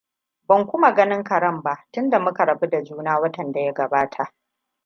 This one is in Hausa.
Ban kuma ganin Karen ba tunda muka rabu da juna watan da ya gabata.